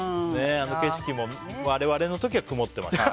景色も我々の時は曇ってました。